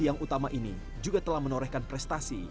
yang utama ini juga telah menorehkan prestasi